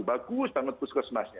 bagus banget puskesmasnya